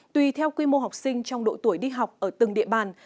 tùy theo quy mô học sinh trong độ tuổi đi học ở từng địa bàn